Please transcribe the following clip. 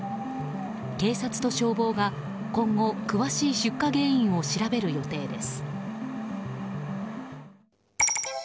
警察と消防が今後詳しい出火原因を調べる予定です。